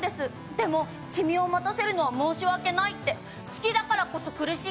「でも君を待たせるのは申し訳ない」って「好きだからこそ苦しい」